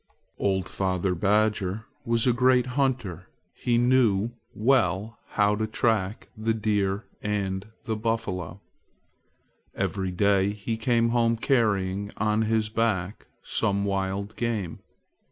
Old father badger was a great hunter. He knew well how to track the deer and buffalo. Every day he came home carrying on his back some wild game.